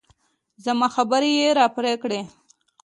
زما خبرې يې راپرې کړې.